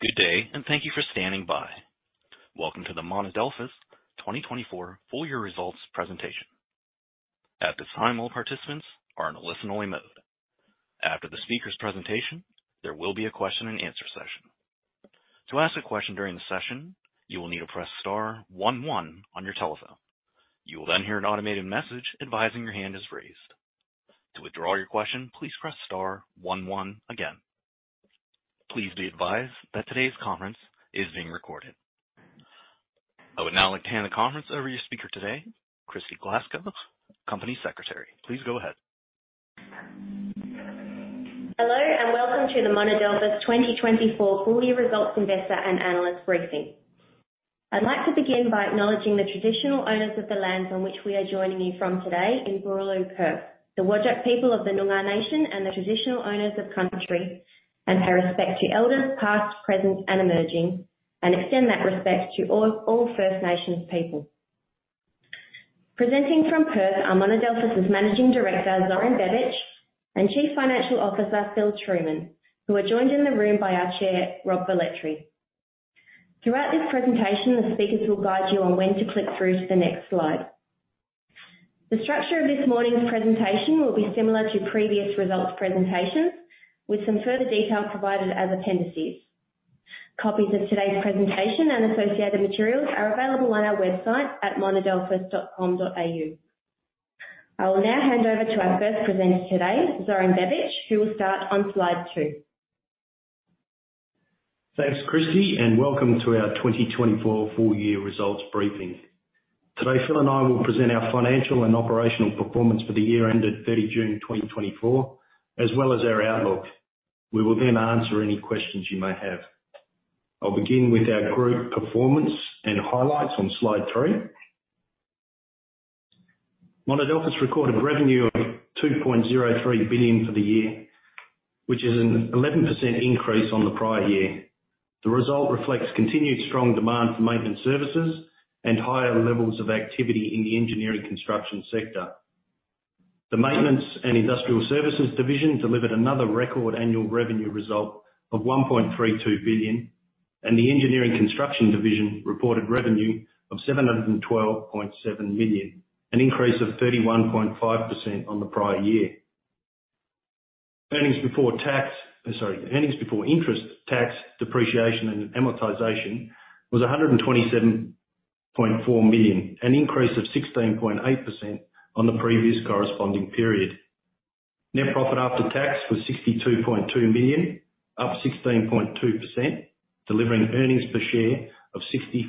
Good day, and thank you for standing by. Welcome to the Monadelphous 2024 full year results presentation. At this time, all participants are in a listen-only mode. After the speaker's presentation, there will be a question and answer session. To ask a question during the session, you will need to press star one one on your telephone. You will then hear an automated message advising your hand is raised. To withdraw your question, please press star one one again. Please be advised that today's conference is being recorded. I would now like to hand the conference over to your speaker today, Kristy Glasgow, Company Secretary. Please go ahead. Hello, and welcome to the Monadelphous 2024 full year results investor and analyst briefing. I'd like to begin by acknowledging the traditional owners of the lands on which we are joining you from today in Boorloo, Perth. The Whadjuk people of the Noongar Nation and the traditional owners of country, and pay respect to elders, past, present, and emerging, and extend that respect to all, all First Nations people. Presenting from Perth are Monadelphous' Managing Director, Zoran Bebic, and Chief Financial Officer, Phil Trueman, who are joined in the room by our Chair, Rob Velletri. Throughout this presentation, the speakers will guide you on when to click through to the next slide. The structure of this morning's presentation will be similar to previous results presentations, with some further detail provided as appendices. Copies of today's presentation and associated materials are available on our website at monadelphous.com.au. I will now hand over to our first presenter today, Zoran Bebic, who will start on slide two. Thanks, Kristy, and welcome to our 2024 full-year results briefing. Today, Phil and I will present our financial and operational performance for the year ended 30 June 2024, as well as our outlook. We will then answer any questions you may have. I'll begin with our group performance and highlights on slide three. Monadelphous recorded revenue of 2.03 billion for the year, which is an 11% increase on the prior year. The result reflects continued strong demand for maintenance services and higher levels of activity in the engineering construction sector. The Maintenance and Industrial Services division delivered another record annual revenue result of 1.32 billion, and the Engineering Construction division reported revenue of 712.7 million, an increase of 31.5% on the prior year. Earnings before tax. Sorry, earnings before interest, tax, depreciation, and amortization was 127.4 million, an increase of 16.8% on the previous corresponding period. Net profit after tax was 62.2 million, up 16.2%, delivering earnings per share of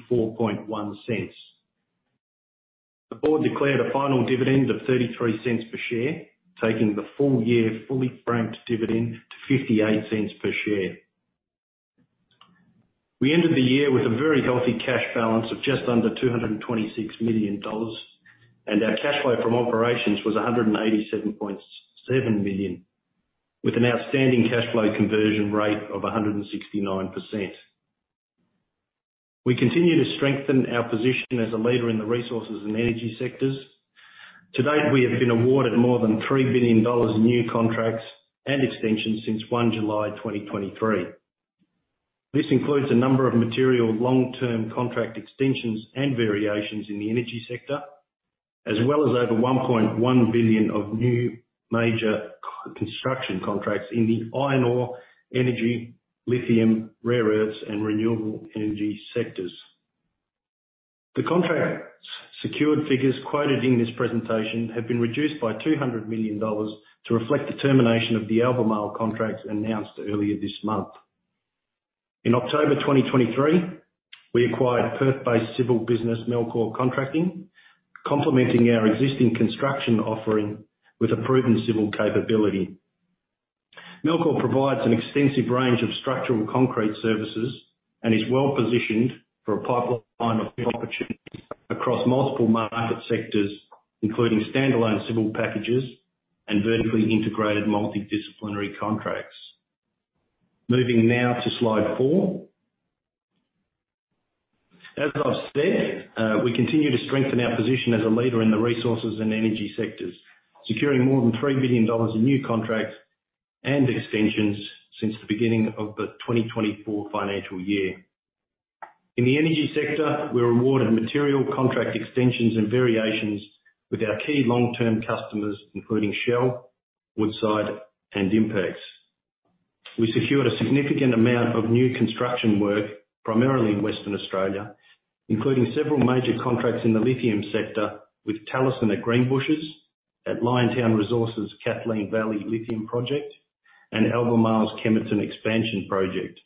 0.641. The board declared a final dividend of 0.33 per share, taking the full year fully franked dividend to 0.58 per share. We ended the year with a very healthy cash balance of just under 226 million dollars, and our cash flow from operations was 187.7 million, with an outstanding cash flow conversion rate of 169%. We continue to strengthen our position as a leader in the resources and energy sectors. To date, we have been awarded more than 3 billion dollars in new contracts and extensions since 1 July 2023. This includes a number of material long-term contract extensions and variations in the energy sector, as well as over 1.1 billion of new major construction contracts in the iron ore, energy, lithium, rare earths, and renewable energy sectors. The contracts secured figures quoted in this presentation have been reduced by 200 million dollars to reflect the termination of the Albemarle contracts announced earlier this month. In October 2023, we acquired a Perth-based civil business, Melcor Contracting, complementing our existing construction offering with a proven civil capability. Melcor provides an extensive range of structural concrete services and is well positioned for a pipeline of new opportunities across multiple market sectors, including standalone civil packages and vertically integrated multidisciplinary contracts. Moving now to slide four. As I've said, we continue to strengthen our position as a leader in the resources and energy sectors, securing more than 3 billion dollars in new contracts and extensions since the beginning of the 2024 financial year. In the energy sector, we were awarded material contract extensions and variations with our key long-term customers, including Shell, Woodside, and INPEX. We secured a significant amount of new construction work, primarily in Western Australia, including several major contracts in the lithium sector with Talison at Greenbushes, at Liontown Resources' Kathleen Valley Lithium Project, and Albemarle's Kemerton Expansion Project.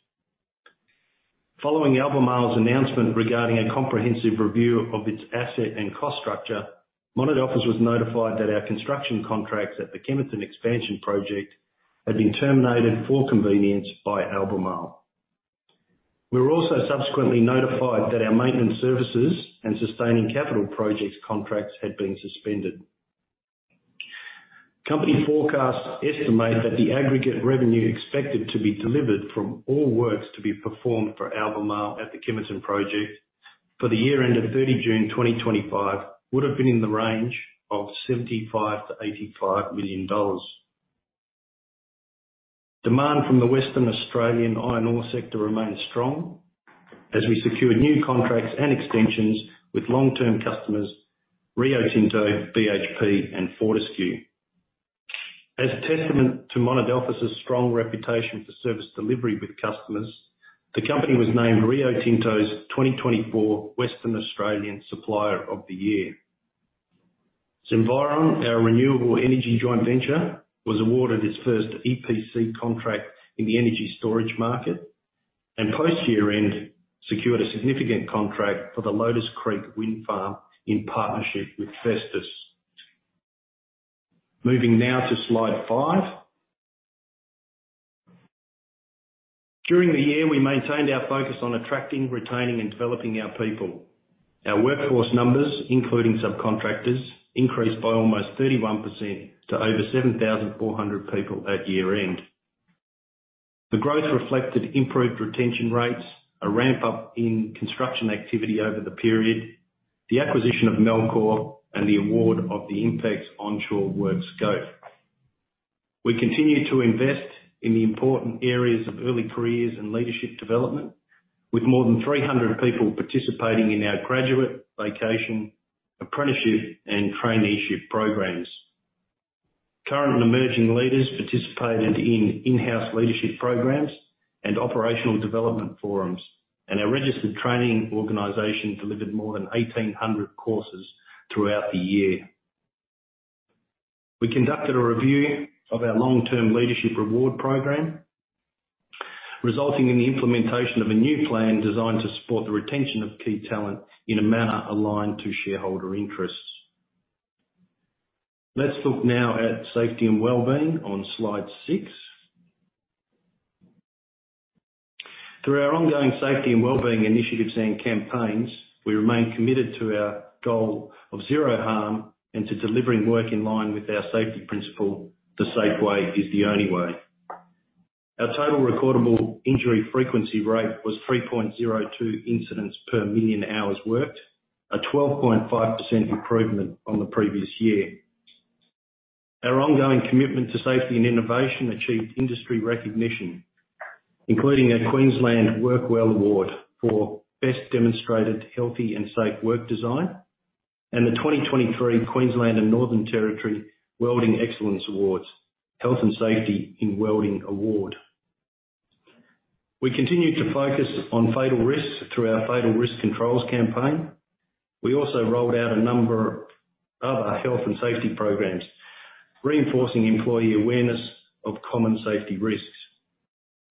Following Albemarle's announcement regarding a comprehensive review of its asset and cost structure, Monadelphous was notified that our construction contracts at the Kemerton Expansion Project had been terminated for convenience by Albemarle. We were also subsequently notified that our maintenance services and sustaining capital projects contracts had been suspended. Company forecasts estimate that the aggregate revenue expected to be delivered from all works to be performed for Albemarle at the Kemerton project. For the year end of 30 June 2025, would have been in the range of 75 million-85 million dollars. Demand from the Western Australian iron ore sector remained strong, as we secured new contracts and extensions with long-term customers Rio Tinto, BHP, and Fortescue. As a testament to Monadelphous' strong reputation for service delivery with customers, the company was named Rio Tinto's 2024 Western Australian Supplier of the Year. Zenviron, our renewable energy joint venture, was awarded its first EPC contract in the energy storage market, and post-year end, secured a significant contract for the Lotus Creek Wind Farm in partnership with Vestas. Moving now to slide five. During the year, we maintained our focus on attracting, retaining, and developing our people. Our workforce numbers, including subcontractors, increased by almost 31% to over 7,400 people at year-end. The growth reflected improved retention rates, a ramp-up in construction activity over the period, the acquisition of Melcor, and the award of the INPEX onshore work scope. We continue to invest in the important areas of early careers and leadership development, with more than 300 people participating in our graduate, vocational, apprenticeship, and traineeship programs. Current and emerging leaders participated in in-house leadership programs and operational development forums, and our registered training organization delivered more than 1,800 courses throughout the year. We conducted a review of our long-term leadership reward program, resulting in the implementation of a new plan designed to support the retention of key talent in a manner aligned to shareholder interests. Let's look now at safety and wellbeing on slide six. Through our ongoing safety and wellbeing initiatives and campaigns, we remain committed to our goal of zero harm and to delivering work in line with our safety principle, The Safe Way is the Only Way, our total recordable injury frequency rate was 3.02 incidents per million hours worked, a 12.5% improvement on the previous year. Our ongoing commitment to safety and innovation achieved industry recognition, including a Queensland Work Well Award for Best Demonstrated Healthy and Safe Work Design, and the 2023 Queensland and Northern Territory Welding Excellence Awards, Health and Safety in Welding Award. We continued to focus on fatal risks through our Fatal Risk Controls campaign. We also rolled out a number of other health and safety programs, reinforcing employee awareness of common safety risks.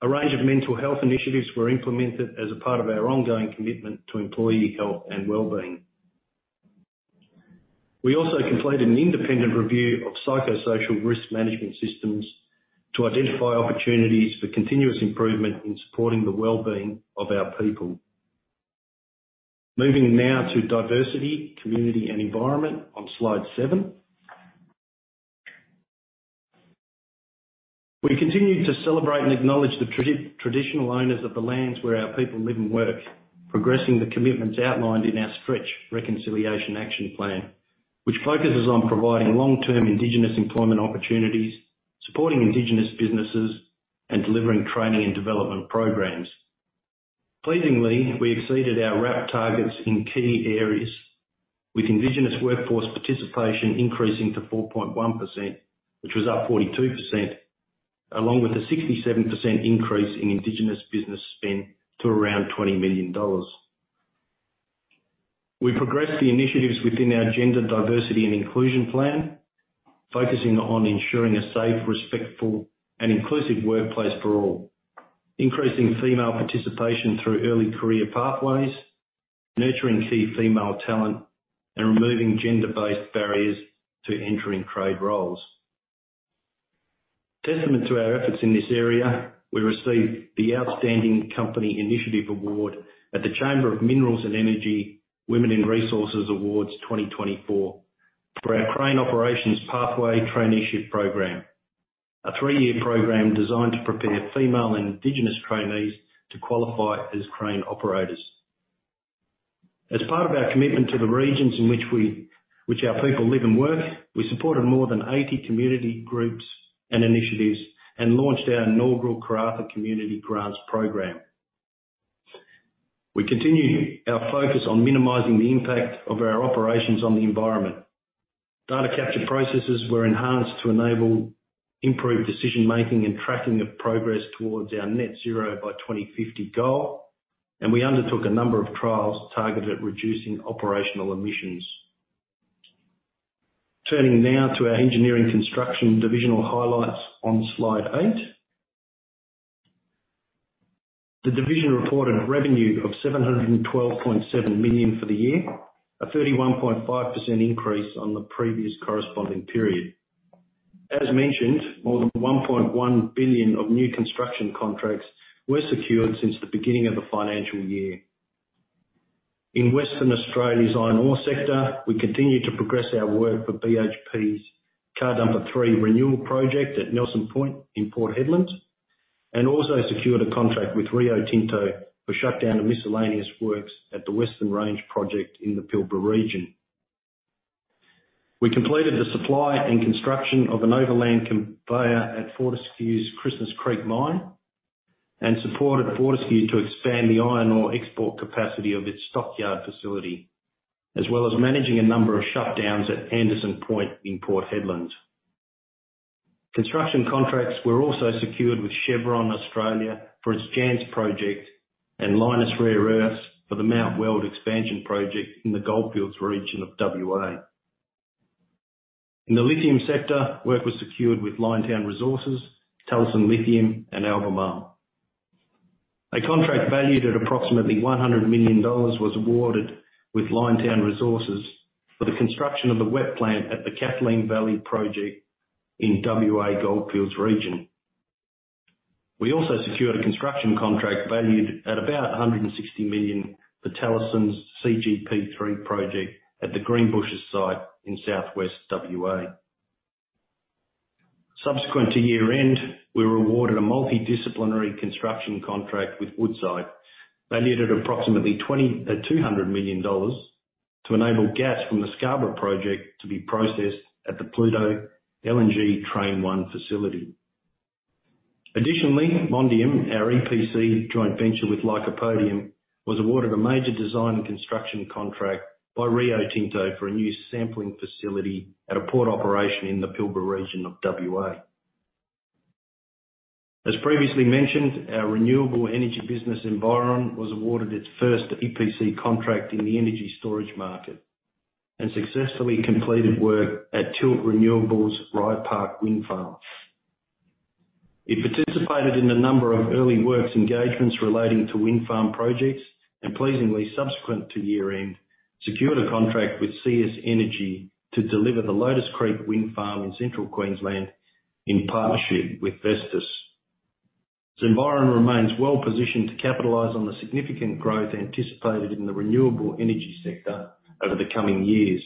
A range of mental health initiatives were implemented as a part of our ongoing commitment to employee health and wellbeing. We also completed an independent review of psychosocial risk management systems to identify opportunities for continuous improvement in supporting the wellbeing of our people. Moving now to diversity, community, and environment on Slide seven. We continue to celebrate and acknowledge the traditional owners of the lands where our people live and work, progressing the commitments outlined in our Stretch Reconciliation Action Plan, which focuses on providing long-term indigenous employment opportunities, supporting indigenous businesses, and delivering training and development programs. Pleasingly, we exceeded our RAP targets in key areas, with indigenous workforce participation increasing to 4.1%, which was up 42%, along with a 67% increase in indigenous business spend to around 20 million dollars. We progressed the initiatives within our gender diversity and inclusion plan, focusing on ensuring a safe, respectful, and inclusive workplace for all, increasing female participation through early career pathways, nurturing key female talent, and removing gender-based barriers to entering trade roles. Testament to our efforts in this area, we received the Outstanding Company Initiative Award at the Chamber of Minerals and Energy Women in Resources Awards 2024 for our Crane Operations Pathway Traineeship Program, a three-year program designed to prepare female and Indigenous trainees to qualify as crane operators. As part of our commitment to the regions in which our people live and work, we supported more than 80 community groups and initiatives and launched our inaugural Karratha Community Grants program. We continued our focus on minimizing the impact of our operations on the environment. Data capture processes were enhanced to enable improved decision-making and tracking of progress towards our net zero by 2050 goal, and we undertook a number of trials targeted at reducing operational emissions. Turning now to our engineering construction divisional highlights on slide eight. The division reported a revenue of 712.7 million for the year, a 31.5% increase on the previous corresponding period. As mentioned, more than 1.1 billion of new construction contracts were secured since the beginning of the financial year. In Western Australia's iron ore sector, we continued to progress our work for BHP's Car Dumper 3 Renewal Project at Nelson Point in Port Hedland, and also secured a contract with Rio Tinto for shutdown and miscellaneous works at the Western Range Project in the Pilbara region. We completed the supply and construction of an overland conveyor at Fortescue's Christmas Creek mine, and supported Fortescue to expand the iron ore export capacity of its stockyard facility, as well as managing a number of shutdowns at Anderson Point in Port Hedland. Construction contracts were also secured with Chevron Australia for its Jansz-Io project, and Lynas Rare Earths for the Mount Weld expansion project in the Goldfields region of WA. In the lithium sector, work was secured with Liontown Resources, Talison Lithium, and Albemarle. A contract valued at approximately 100 million dollars was awarded with Liontown Resources for the construction of the wet plant at the Kathleen Valley project in WA Goldfields region. We also secured a construction contract valued at about 160 million for Talison's CGP3 project at the Greenbushes site in southwest WA. Subsequent to year-end, we were awarded a multidisciplinary construction contract with Woodside, valued at approximately 200 million dollars, to enable gas from the Scarborough project to be processed at the Pluto LNG Train 1 facility. Additionally, Mondium, our EPC joint venture with Lycopodium, was awarded a major design and construction contract by Rio Tinto for a new sampling facility at a port operation in the Pilbara region of WA. As previously mentioned, our renewable energy business, Zenviron, was awarded its first EPC contract in the energy storage market, and successfully completed work at Tilt Renewables' Rye Park Wind Farm. It participated in a number of early works engagements relating to wind farm projects, and pleasingly, subsequent to year-end, secured a contract with CS Energy to deliver the Lotus Creek Wind Farm in central Queensland in partnership with Vestas. Zenviron remains well-positioned to capitalize on the significant growth anticipated in the renewable energy sector over the coming years.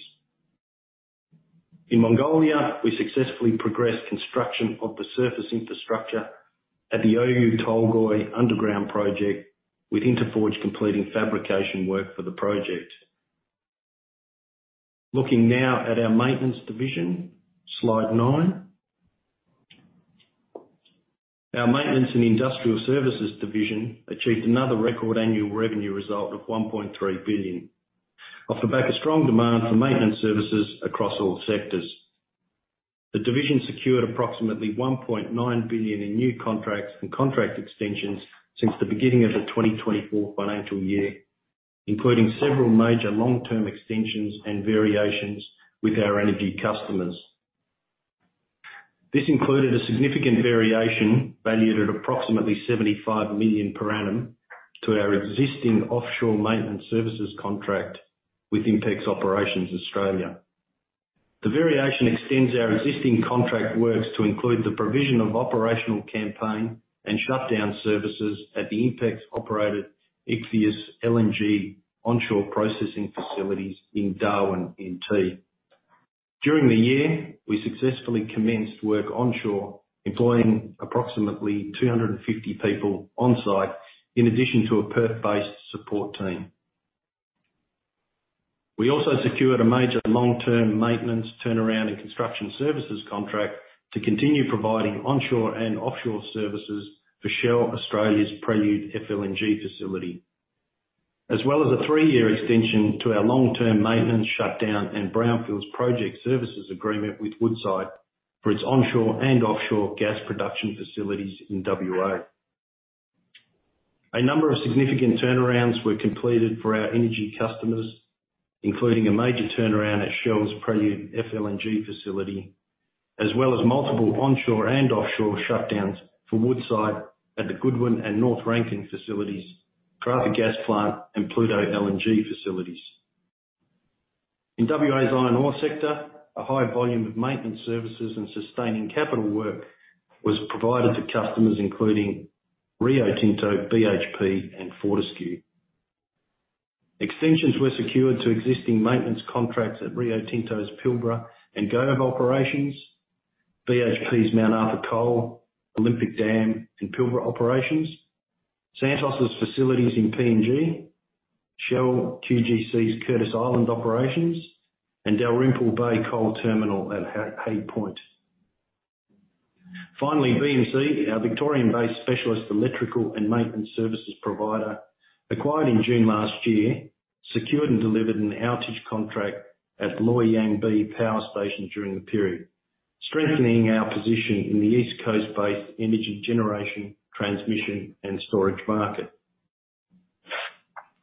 In Mongolia, we successfully progressed construction of the surface infrastructure at the Oyu Tolgoi underground project, with Inteforge completing fabrication work for the project. Looking now at our maintenance division, slide nine. Our Maintenance and Industrial Services division achieved another record annual revenue result of 1.3 billion, off the back of strong demand for maintenance services across all sectors. The division secured approximately 1.9 billion in new contracts and contract extensions since the beginning of the 2024 financial year, including several major long-term extensions and variations with our energy customers. This included a significant variation, valued at approximately 75 million per annum, to our existing offshore maintenance services contract with INPEX Operations Australia. The variation extends our existing contract works to include the provision of operational campaign and shutdown services at the INPEX-operated Ichthys LNG onshore processing facilities in Darwin, NT. During the year, we successfully commenced work onshore, employing approximately 250 people on-site, in addition to a Perth-based support team. We also secured a major long-term maintenance turnaround and construction services contract to continue providing onshore and offshore services for Shell Australia's Prelude FLNG facility, as well as a three-year extension to our long-term maintenance shutdown and brownfields project services agreement with Woodside, for its onshore and offshore gas production facilities in WA. A number of significant turnarounds were completed for our energy customers, including a major turnaround at Shell's Prelude FLNG facility, as well as multiple onshore and offshore shutdowns for Woodside at the Goodwyn and North Rankin facilities, Karratha Gas Plant, and Pluto LNG facilities. In WA's iron ore sector, a high volume of maintenance services and sustaining capital work was provided to customers, including Rio Tinto, BHP, and Fortescue. Extensions were secured to existing maintenance contracts at Rio Tinto's Pilbara and Gove operations, BHP's Mount Arthur Coal, Olympic Dam, and Pilbara operations, Santos' facilities in PNG, Shell QGC's Curtis Island operations, and Dalrymple Bay Coal Terminal at Hay Point. Finally, VMC, our Victorian-based specialist electrical and maintenance services provider, acquired in June last year, secured and delivered an outage contract at Loy Yang B Power Station during the period, strengthening our position in the East Coast-based energy generation, transmission, and storage market.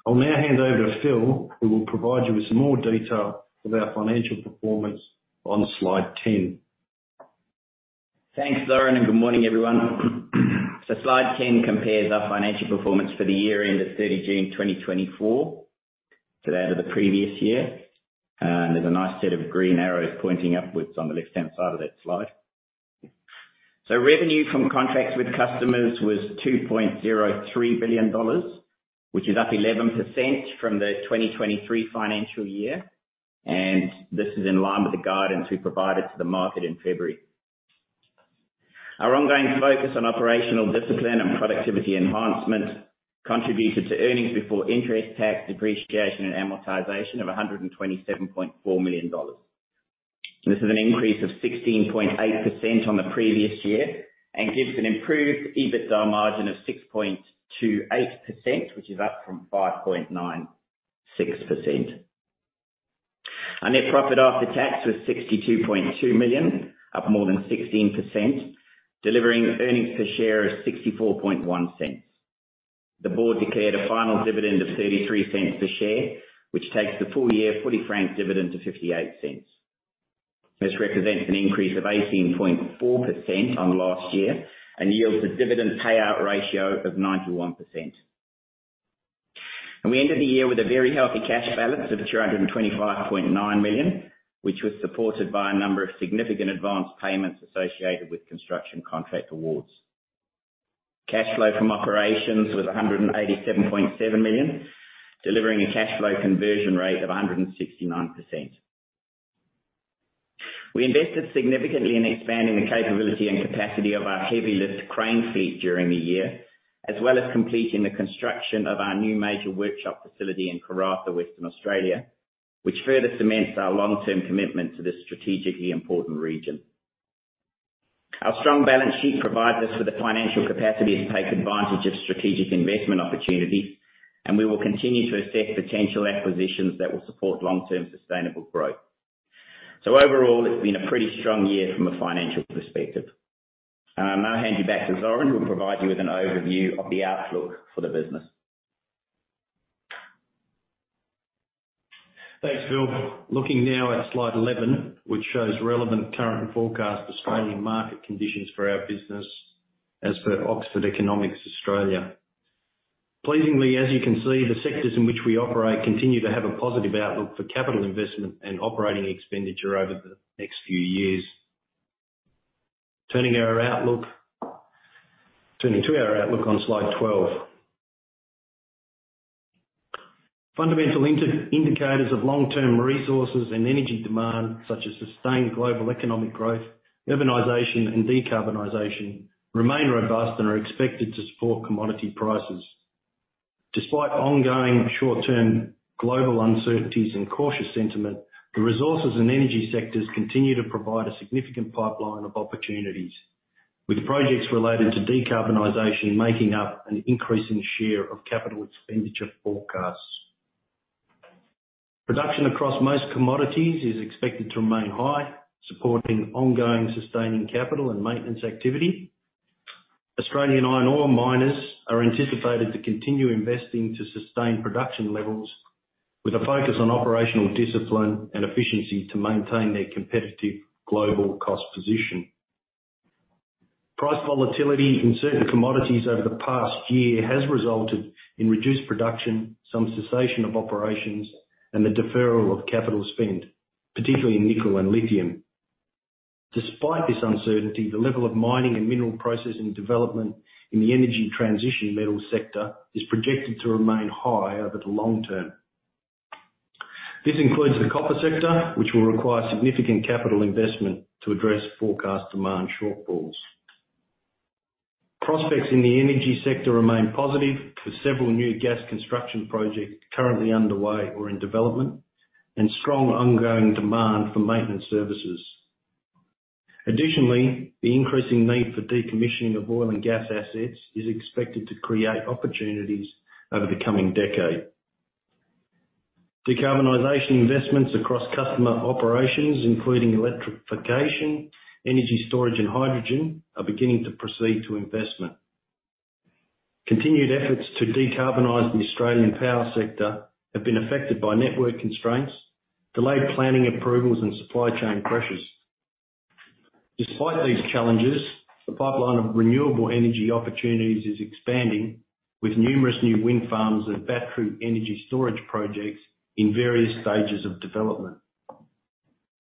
I'll now hand over to Phil, who will provide you with some more detail of our financial performance on slide 10. Thanks, Zoran, and good morning, everyone. So slide 10 compares our financial performance for the year ended 30 June 2024 to that of the previous year. There's a nice set of green arrows pointing upwards on the left-hand side of that slide. So revenue from contracts with customers was 2.03 billion dollars, which is up 11% from the 2023 financial year, and this is in line with the guidance we provided to the market in February. Our ongoing focus on operational discipline and productivity enhancements contributed to earnings before interest, tax, depreciation, and amortization of 127.4 million dollars. This is an increase of 16.8% on the previous year, and gives an improved EBITDA margin of 6.28%, which is up from 5.96%. Our net profit after tax was 62.2 million, up more than 16%, delivering earnings per share of 0.641. The board declared a final dividend of 0.33 per share, which takes the full year fully franked dividend to 0.58. This represents an increase of 18.4% on last year and yields a dividend payout ratio of 91%. We ended the year with a very healthy cash balance of 325.9 million, which was supported by a number of significant advanced payments associated with construction contract awards. Cash flow from operations was 187.7 million, delivering a cash flow conversion rate of 169%. We invested significantly in expanding the capability and capacity of our heavy lift crane fleet during the year, as well as completing the construction of our new major workshop facility in Karratha, Western Australia, which further cements our long-term commitment to this strategically important region. Our strong balance sheet provides us with the financial capacity to take advantage of strategic investment opportunities, and we will continue to assess potential acquisitions that will support long-term sustainable growth. So overall, it's been a pretty strong year from a financial perspective. And I'll now hand you back to Zoran, who will provide you with an overview of the outlook for the business. Thanks, Phil. Looking now at slide 11, which shows relevant current and forecast Australian market conditions for our business, as per Oxford Economics Australia. Pleasingly, as you can see, the sectors in which we operate continue to have a positive outlook for capital investment and operating expenditure over the next few years. Turning to our outlook on slide 12. Fundamental indicators of long-term resources and energy demand, such as sustained global economic growth, urbanization, and decarbonization, remain robust and are expected to support commodity prices. Despite ongoing short-term global uncertainties and cautious sentiment, the resources and energy sectors continue to provide a significant pipeline of opportunities, with projects related to decarbonization making up an increasing share of capital expenditure forecasts. Production across most commodities is expected to remain high, supporting ongoing sustaining capital and maintenance activity. Australian iron ore miners are anticipated to continue investing to sustain production levels, with a focus on operational discipline and efficiency to maintain their competitive global cost position. Price volatility in certain commodities over the past year has resulted in reduced production, some cessation of operations, and the deferral of capital spend, particularly in nickel and lithium. Despite this uncertainty, the level of mining and mineral processing development in the energy transition metal sector is projected to remain high over the long term. This includes the copper sector, which will require significant capital investment to address forecast demand shortfalls. Prospects in the energy sector remain positive for several new gas construction projects currently underway or in development, and strong ongoing demand for maintenance services. Additionally, the increasing need for decommissioning of oil and gas assets is expected to create opportunities over the coming decade. Decarbonization investments across customer operations, including electrification, energy storage, and hydrogen, are beginning to proceed to investment. Continued efforts to decarbonize the Australian power sector have been affected by network constraints, delayed planning approvals, and supply chain pressures. Despite these challenges, the pipeline of renewable energy opportunities is expanding, with numerous new wind farms and battery energy storage projects in various stages of development.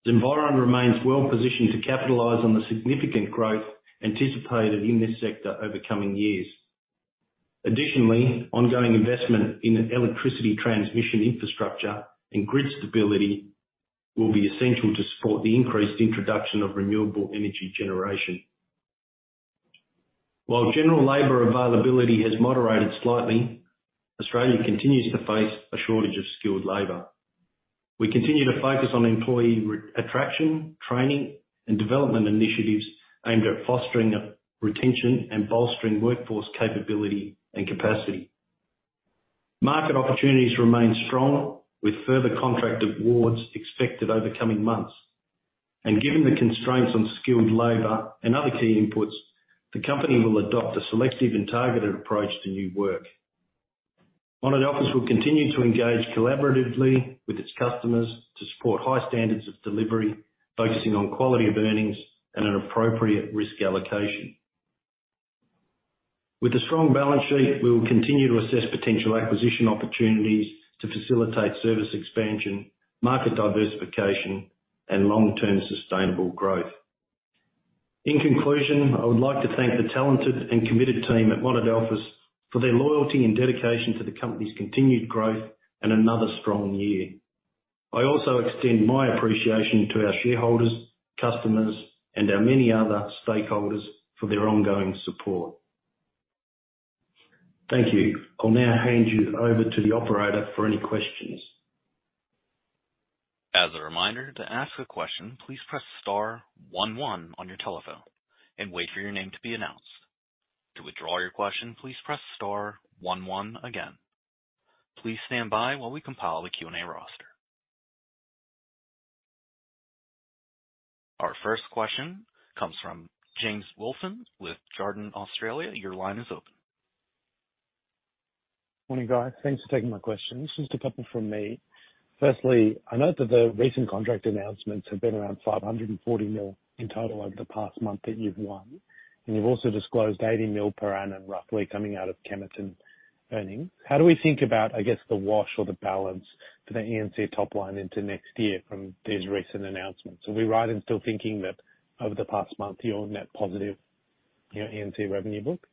Zenviron remains well positioned to capitalize on the significant growth anticipated in this sector over the coming years. Additionally, ongoing investment in electricity transmission infrastructure and grid stability will be essential to support the increased introduction of renewable energy generation. While general labor availability has moderated slightly, Australia continues to face a shortage of skilled labor. We continue to focus on employee re-attraction, training, and development initiatives aimed at fostering the retention and bolstering workforce capability and capacity. Market opportunities remain strong, with further contract awards expected over the coming months. And given the constraints on skilled labor and other key inputs, the company will adopt a selective and targeted approach to new work. Monadelphous will continue to engage collaboratively with its customers to support high standards of delivery, focusing on quality of earnings and an appropriate risk allocation. With a strong balance sheet, we will continue to assess potential acquisition opportunities to facilitate service expansion, market diversification, and long-term sustainable growth. In conclusion, I would like to thank the talented and committed team at Monadelphous for their loyalty and dedication to the company's continued growth and another strong year. I also extend my appreciation to our shareholders, customers, and our many other stakeholders for their ongoing support. Thank you. I'll now hand you over to the operator for any questions. As a reminder, to ask a question, please press star one one on your telephone and wait for your name to be announced. To withdraw your question, please press star one one again. Please stand by while we compile the Q&A roster. Our first question comes from James Wilson with Jarden Australia. Your line is open. Morning, guys. Thanks for taking my question. Just a couple from me. Firstly, I note that the recent contract announcements have been around 540 million in total over the past month that you've won, and you've also disclosed 80 million per annum, roughly coming out of Kemerton earnings. How do we think about, I guess, the wash or the balance for the E&C top line into next year from these recent announcements? Are we right in still thinking that over the past month, you're net positive in your revenue book?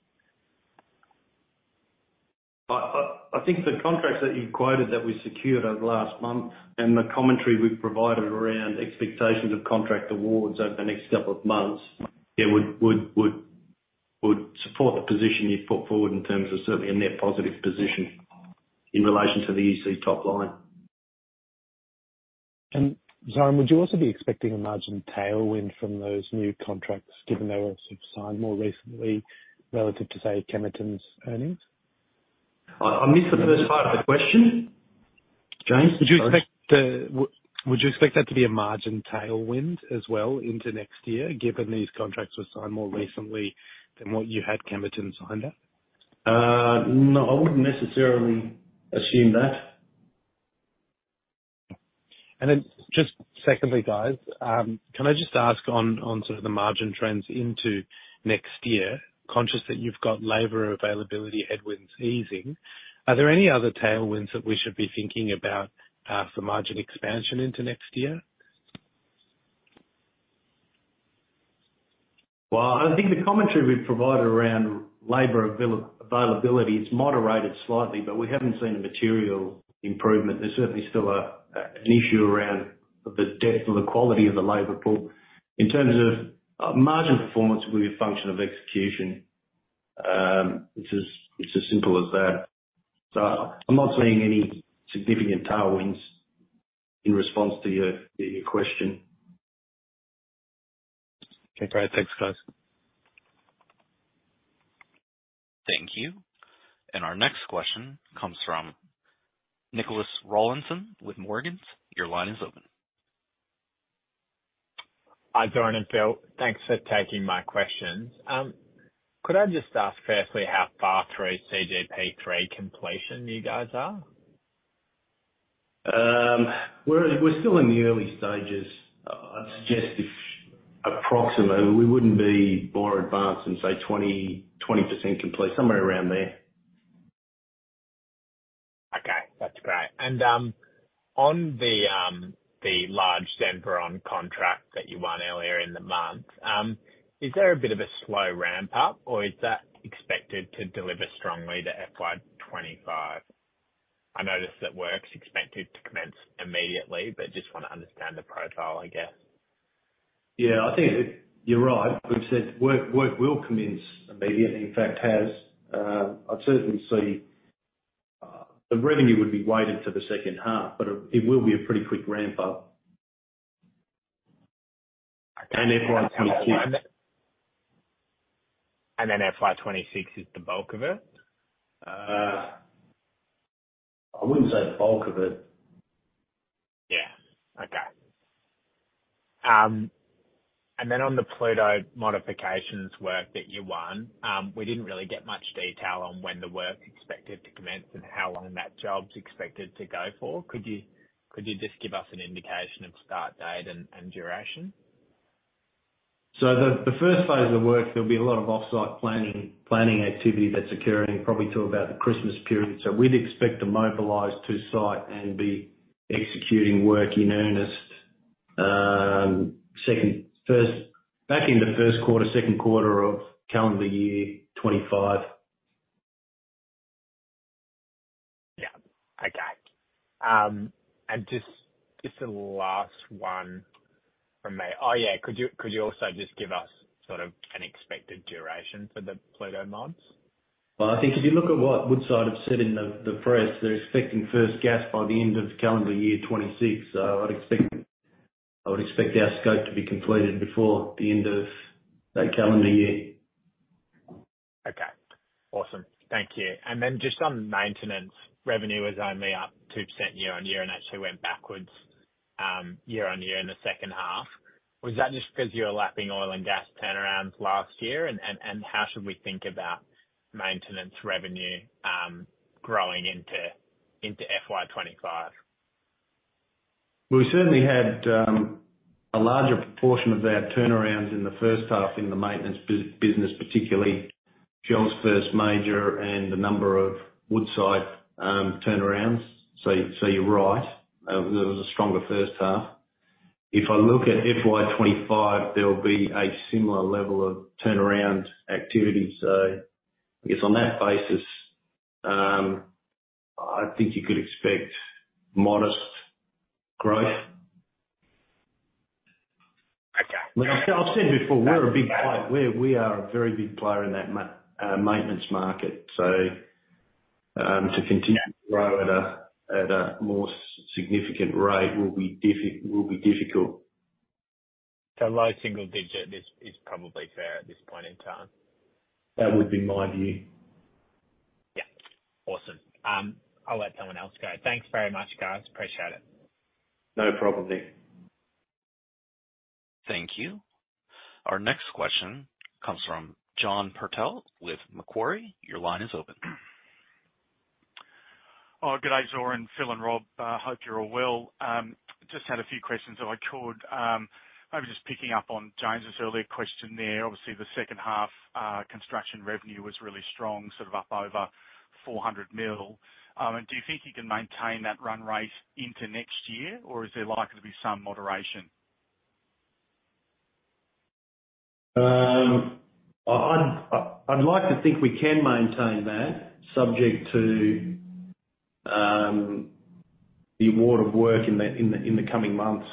I think the contracts that you quoted that we secured over the last month and the commentary we've provided around expectations of contract awards over the next couple of months, yeah, would support the position you've put forward in terms of certainly a net positive position in relation to the top line. Zoran, would you also be expecting a margin tailwind from those new contracts, given they were sort of signed more recently relative to, say, Kemerton's earnings? I missed the first part of the question, James. Would you expect that to be a margin tailwind as well into next year, given these contracts were signed more recently than what you had Kemerton signed at? No, I wouldn't necessarily assume that. And then just secondly, guys, can I just ask on sort of the margin trends into next year, conscious that you've got labor availability headwinds easing, are there any other tailwinds that we should be thinking about, for margin expansion into next year? I think the commentary we've provided around labor availability, it's moderated slightly, but we haven't seen a material improvement. There's certainly still an issue around the depth or the quality of the labor pool. In terms of margin performance will be a function of execution. It's as simple as that. So I'm not seeing any significant tailwinds in response to your question. Okay, great. Thanks, guys. Thank you. And our next question comes from Nicholas Rawlinson with Morgans. Your line is open. Hi, Zoran and Phil. Thanks for taking my questions. Could I just ask firstly how far through CGP3 completion you guys are? We're still in the early stages. I'd suggest approximately we wouldn't be more advanced than, say, 20% complete, somewhere around there. Okay, that's great, and on the large Zenviron contract that you won earlier in the month, is there a bit of a slow ramp up, or is that expected to deliver strongly to FY 2025? I noticed that work's expected to commence immediately, but just want to understand the profile, I guess. Yeah, I think you're right. We've said work will commence immediately, in fact, has. I'd certainly see the revenue would be weighted for the second half, but it will be a pretty quick ramp up. And then FY 2026 is the bulk of it? I wouldn't say the bulk of it. Yeah. Okay. And then on the Pluto modifications work that you won, we didn't really get much detail on when the work's expected to commence and how long that job's expected to go for. Could you just give us an indication of start date and duration? So the first phase of the work, there'll be a lot of off-site planning activity that's occurring probably till about the Christmas period. So we'd expect to mobilize to site and be executing work in earnest, back in the first quarter, second quarter of calendar year 2025. Yeah. Okay. And just the last one from me. Oh, yeah, could you also just give us sort of an expected duration for the Pluto mods? I think if you look at what Woodside have said in the press, they're expecting first gas by the end of calendar year 2026. So I'd expect, I would expect our scope to be completed before the end of that calendar year. Okay, awesome. Thank you. And then just on maintenance, revenue was only up 2% year-on-year and actually went backwards year on year in the second half. Was that just because you were lapping oil and gas turnarounds last year? And how should we think about maintenance revenue growing into FY 2025? We certainly had a larger proportion of our turnarounds in the first half in the maintenance business, particularly Shell's first major and a number of Woodside turnarounds. So you're right, there was a stronger first half. If I look at FY 2025, there will be a similar level of turnaround activity. So I guess on that basis, I think you could expect modest growth. Okay. Well, I've said before, we're a big player. We are a very big player in that maintenance market. So, to continue to grow at a more significant rate will be difficult. So low single digit is probably fair at this point in time? That would be my view. Yeah. Awesome. I'll let someone else go. Thanks very much, guys. Appreciate it. No problem, Nic. Thank you. Our next question comes from John Purtell with Macquarie. Your line is open. Oh, g'day, Zoran, Phil, and Rob. Hope you're all well. Just had a few questions, if I could. Maybe just picking up on James' earlier question there. Obviously, the second half construction revenue was really strong, sort of up over four hundred mil. And do you think you can maintain that run rate into next year, or is there likely to be some moderation? I'd like to think we can maintain that, subject to the award of work in the coming months.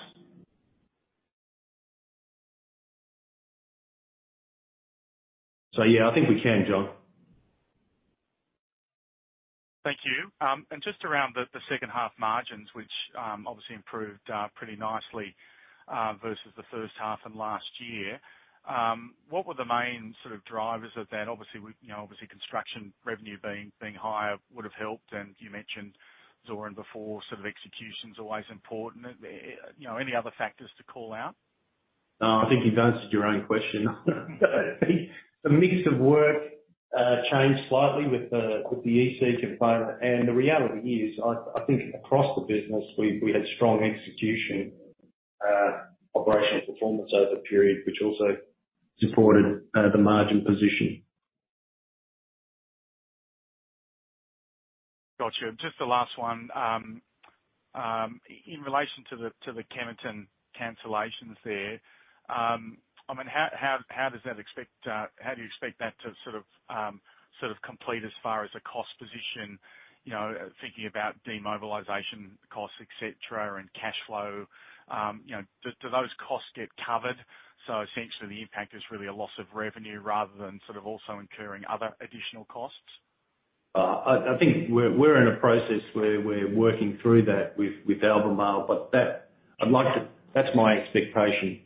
So yeah, I think we can, John. Thank you. Just around the second half margins, which obviously improved pretty nicely versus the first half and last year. What were the main sort of drivers of that? Obviously, you know, obviously, construction revenue being higher would've helped, and you mentioned, Zoran, before, sort of execution's always important. You know, any other factors to call out? No, I think you've answered your own question. The mix of work changed slightly with the EPC component, and the reality is, I think across the business, we had strong execution, operational performance over the period, which also supported the margin position. Gotcha. Just the last one. In relation to the Kemerton cancellations there, I mean, how does that expect... How do you expect that to sort of complete as far as the cost position, you know, thinking about demobilization costs, et cetera, and cash flow? You know, do those costs get covered, so essentially the impact is really a loss of revenue rather than sort of also incurring other additional costs? I think we're in a process where we're working through that with Albemarle, but that- I'd like to... That's my expectation.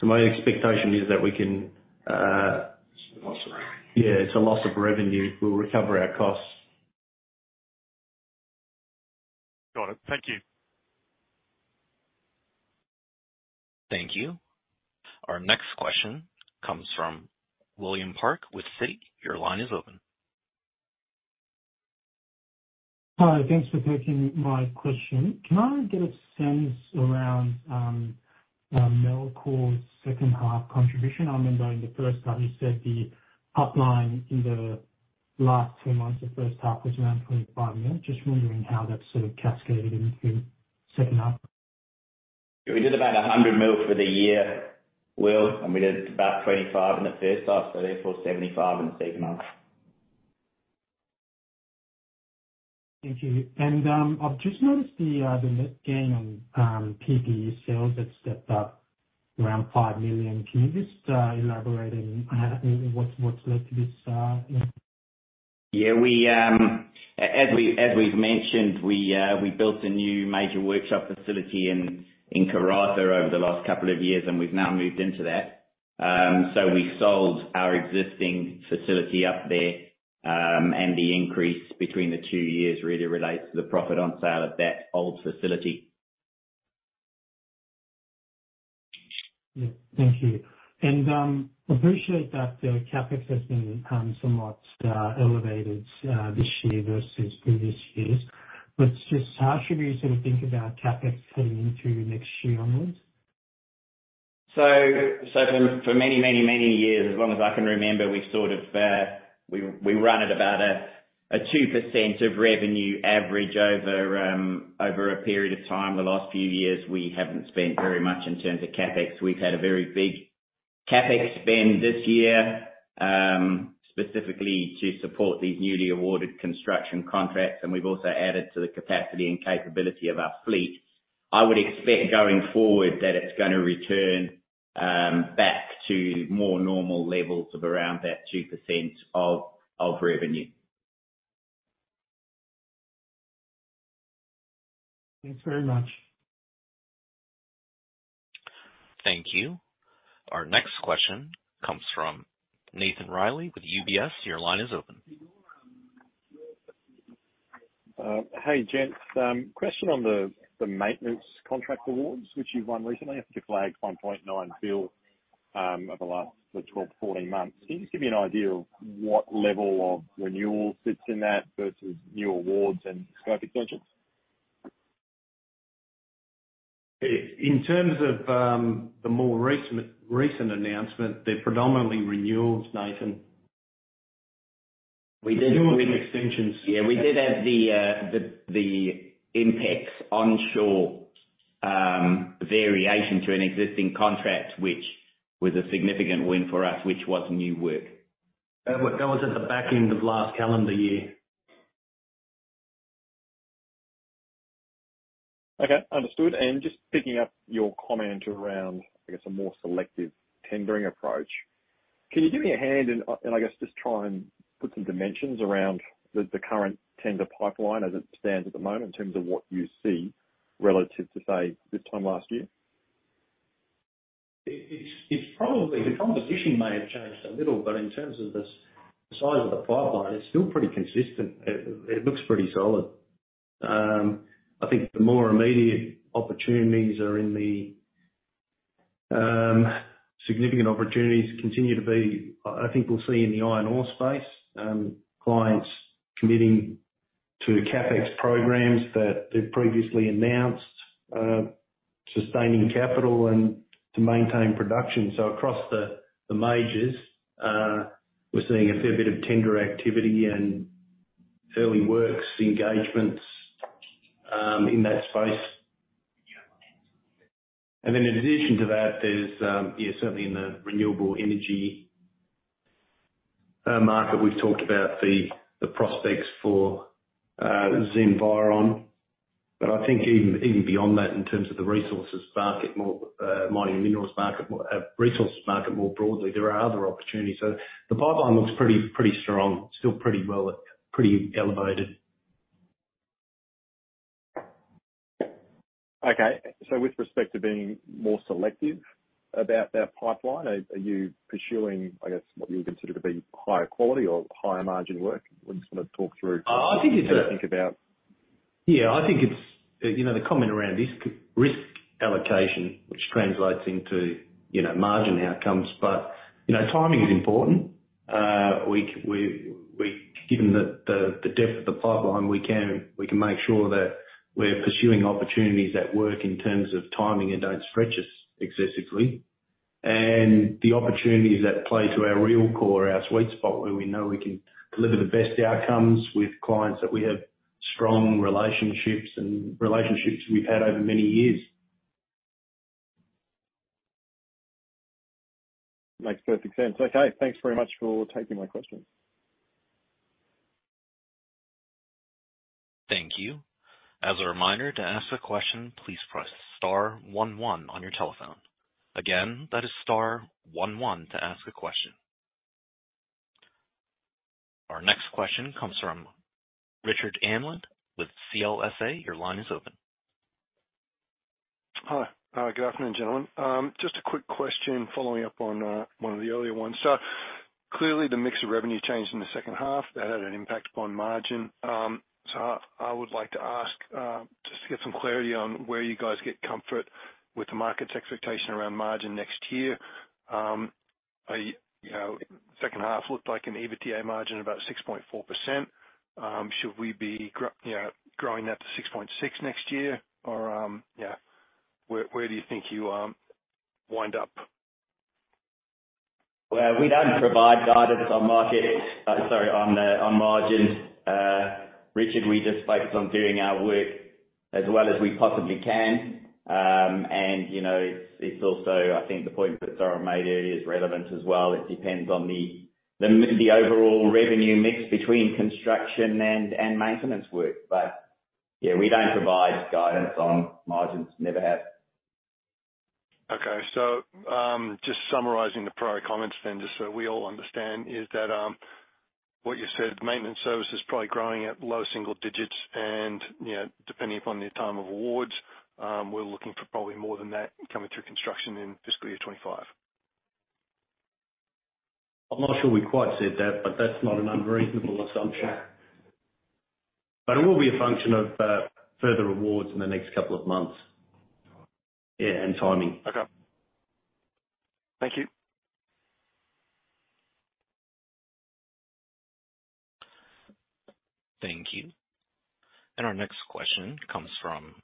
So my expectation is that we can. It's a loss of revenue. Yeah, it's a loss of revenue. We'll recover our costs. Got it. Thank you. Thank you. Our next question comes from William Park with Citi. Your line is open. Hi, thanks for taking my question. Can I get a sense around Melcor's second half contribution? I remember in the first half, you said the upline in the last two months of first half was around 25 million. Just wondering how that sort of cascaded into second half. We did about 100 million for the year, Will, and we did about 25 million in the first half, so therefore 75 million in the second half. Thank you. And, I've just noticed the net gain on PPE sales that stepped up around 5 million. Can you just elaborate on how what what's led to this, you know? Yeah, as we've mentioned, we built a new major workshop facility in Karratha over the last couple of years, and we've now moved into that, so we sold our existing facility up there, and the increase between the two years really relates to the profit on sale of that old facility. Yeah. Thank you. And appreciate that the CapEx has been somewhat elevated this year versus previous years. But just how should we sort of think about CapEx heading into next year onwards? For many years, as long as I can remember, we've sort of run at about a 2% of revenue average over a period of time. The last few years, we haven't spent very much in terms of CapEx. We've had a very big CapEx spend this year, specifically to support these newly awarded construction contracts, and we've also added to the capacity and capability of our fleet. I would expect, going forward, that it's gonna return back to more normal levels of around that 2% of revenue. Thanks very much. Thank you. Our next question comes from Nathan Reilly with UBS. Your line is open. Hey, gents. Question on the maintenance contract awards, which you've won recently. I think you flagged 1.9 billion over the last 12-14 months. Can you just give me an idea of what level of renewal sits in that versus new awards and scope extensions?... In terms of the more recent announcement, they're predominantly renewals, Nathan. We did- Renewals and extensions. Yeah, we did have the INPEX onshore variation to an existing contract, which was a significant win for us, which was new work. That was at the back end of last calendar year. Okay, understood. And just picking up your comment around, I guess, a more selective tendering approach, can you give me a hand and, and I guess just try and put some dimensions around the current tender pipeline as it stands at the moment, in terms of what you see relative to, say, this time last year? It's probably the competition may have changed a little, but in terms of the size of the pipeline, it's still pretty consistent. It looks pretty solid. I think the more immediate opportunities are in the significant opportunities continue to be. I think we'll see in the iron ore space clients committing to CapEx programs that they've previously announced, sustaining capital and to maintain production. So across the majors, we're seeing a fair bit of tender activity and early works engagements in that space. And then in addition to that, there's certainly in the renewable energy market, we've talked about the prospects for Zenviron. But I think even beyond that, in terms of the resources market, more mining and minerals market, resources market, more broadly, there are other opportunities. The pipeline looks pretty strong, still pretty elevated. Okay. So with respect to being more selective about that pipeline, are you pursuing, I guess, what you would consider to be higher quality or higher margin work? Would you just wanna talk through- I think it's- How you think about... Yeah, I think it's, you know, the comment around risk, risk allocation, which translates into, you know, margin outcomes, but you know, timing is important. Given the depth of the pipeline, we can make sure that we're pursuing opportunities that work in terms of timing and don't stretch us excessively, and the opportunities that play to our real core, our sweet spot, where we know we can deliver the best outcomes with clients, that we have strong relationships, and relationships we've had over many years. Makes perfect sense. Okay, thanks very much for taking my questions. Thank you. As a reminder, to ask a question, please press star one one on your telephone. Again, that is star one one to ask a question. Our next question comes from Richard Amland with CLSA. Your line is open. Hi. Good afternoon, gentlemen. Just a quick question following up on one of the earlier ones. So clearly, the mix of revenue changed in the second half. That had an impact upon margin. So I would like to ask just to get some clarity on where you guys get comfort with the market's expectation around margin next year. Are you, you know, second half looked like an EBITDA margin, about 6.4%. Should we be growing that to 6.6% next year? Or yeah, where do you think you wind up? We don't provide guidance on margin. Richard, we just focus on doing our work as well as we possibly can. You know, it's also, I think the point that Zoran made earlier is relevant as well. It depends on the overall revenue mix between construction and maintenance work. But yeah, we don't provide guidance on margins. Never have. Okay. So, just summarizing the prior comments then, just so we all understand, is that, what you said, maintenance services probably growing at low single digits and, you know, depending upon the time of awards, we're looking for probably more than that coming through construction in fiscal year 2025? I'm not sure we quite said that, but that's not an unreasonable assumption. But it will be a function of, further awards in the next couple of months. Yeah, and timing. Okay. Thank you. Thank you. And our next question comes from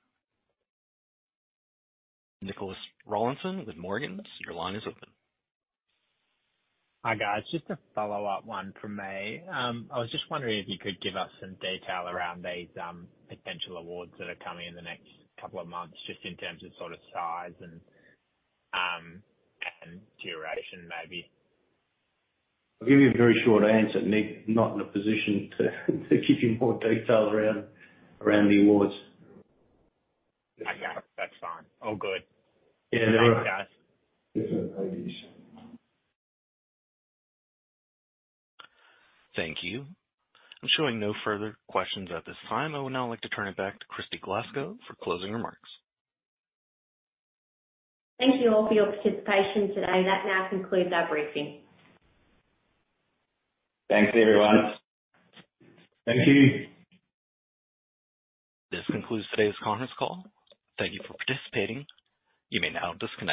Nicholas Rawlinson with Morgans. Your line is open. Hi, guys. Just a follow-up one from me. I was just wondering if you could give us some detail around these potential awards that are coming in the next couple of months, just in terms of sort of size and duration, maybe? I'll give you a very short answer, Nick. Not in a position to give you more details around the awards. Okay. That's fine. All good. Yeah. Thanks, guys. Thank you. I'm showing no further questions at this time. I would now like to turn it back to Kristy Glasgow for closing remarks. Thank you all for your participation today. That now concludes our briefing. Thanks, everyone. Thank you. This concludes today's conference call. Thank you for participating. You may now disconnect.